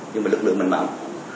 nhưng mà lực lượng mình mạnh